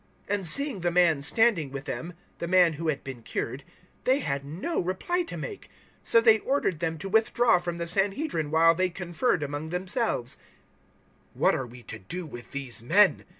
004:014 And seeing the man standing with them the man who had been cured they had no reply to make. 004:015 So they ordered them to withdraw from the Sanhedrin while they conferred among themselves. 004:016 "What are we to do with these men?"